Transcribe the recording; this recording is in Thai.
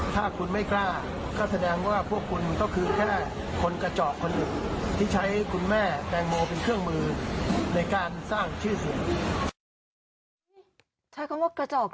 ใช้คำว่ากระจอกเลยเหรอคะ